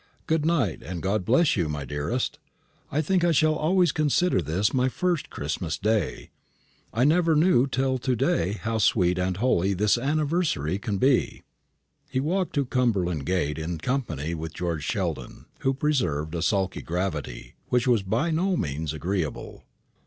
Good night, and God bless you, my dearest! I think I shall always consider this my first Christmas day. I never knew till to day how sweet and holy this anniversary can be." He walked to Cumberland gate in company with George Sheldon, who preserved a sulky gravity, which was by no means agreeable.